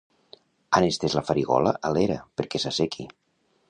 Han estès la farigola a l'era perquè s'assequi.